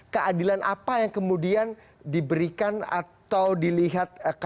keadilan apa yang kemudian diberikan atau dilihat